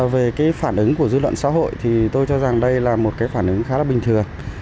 về cái phản ứng của dư luận xã hội thì tôi cho rằng đây là một cái phản ứng khá là bình thường